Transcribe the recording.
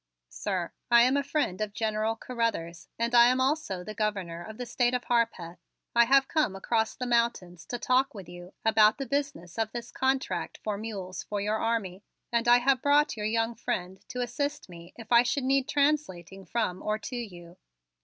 "Sir, I am the friend of General Carruthers and I am also the Governor of the State of Harpeth. I have come across the mountains to talk with you about the business of this contract for mules for your army and I have brought your young friend to assist me if I should need translating from or to you.